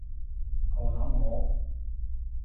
牛腩河